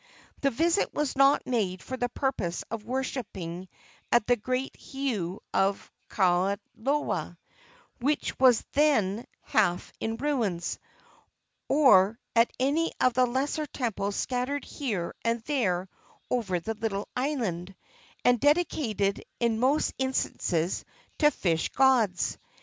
The visit was not made for the purpose of worshipping at the great heiau of Kaunola, which was then half in ruins, or at any of the lesser temples scattered here and there over the little island, and dedicated, in most instances, to fish gods.